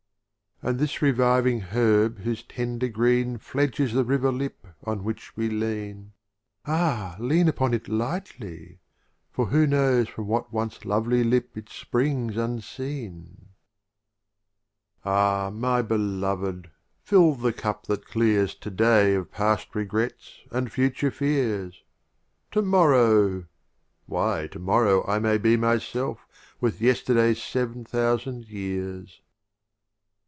XX. And this reviving Herb whose ten der Green Fledges the River Lip on which we lean — Ah, lean upon it lightly ! for who knows From what once lovely Lip it springs unseen ! XXI. Rute'iyat Ah, my Beloved, fill the Cup that of Omar 9 / r Khayyam clears To day of past Regrets and future Fears : To morrow !— Why, To morrow I may be Myself with Yesterday's Sev'n thou sand Years.